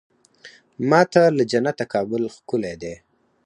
ما ته له جنته کابل ښکلی دی.